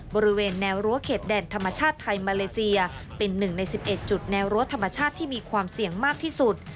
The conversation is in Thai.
บริเวณแนวรั้วเขตแดนธรรมชาติไทยมาเลเซียเป็น๑ใน๑๑จุดแนวรั้วธรรมชาติที่มีความเสี่ยงมากที่สุด